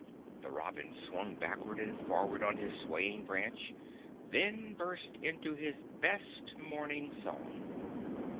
The robin swung backward and forward on his swaying branch; then burst into his best morning song.